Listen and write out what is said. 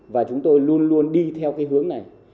và chúng tôi luôn luôn đi theo cái hướng này